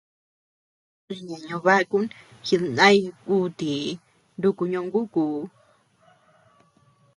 Iña ñobákun jidnay kuti nuku ñongukuu.